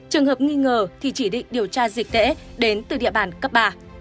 trường hợp nghi ngờ thì chỉ định điều tra dịch tễ đến từ địa bàn cấp ba